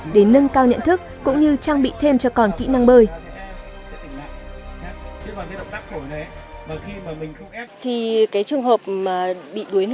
để nâng cao nhận thức cũng như trang bị thêm cho con kỹ năng bơi